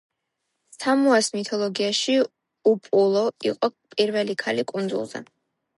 სამოას მითოლოგიაში უპოლუ იყო პირველი ქალი კუნძულზე.